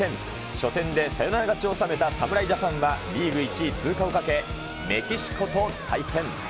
初戦でサヨナラ勝ちを収めた侍ジャパンは、リーグ１位通過をかけ、メキシコと対戦。